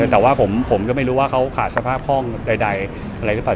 แต่ว่าผมก็ไม่รู้ว่าเขาขาดสภาพห้องใดอะไรหรือเปล่า